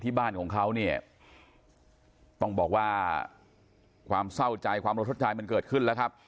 บ้านของเขาเนี่ยต้องบอกว่าความเศร้าใจความประทับใจมันเกิดขึ้นแล้วครับ